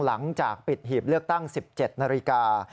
หลังจากปิดหีบเลือกตั้ง๑๗นาฬิกา